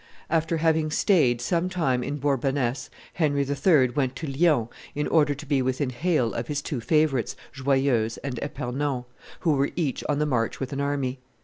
"After having staid some time in Bourbonness, Henry III. went to Lyons in order to be within hail of his two favorites, Joyeuse and Epernon, who were each on the march with an army.